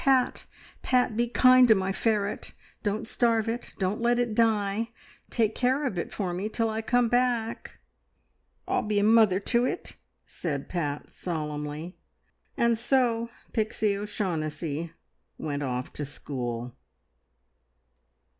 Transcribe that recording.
Pat, Pat, be kind to my ferret. Don't starve it. Don't let it die. Take care of it for me till I come back." "I'll be a mother to it," said Pat solemnly. And so Pixie O'Shaughnessy went off to school.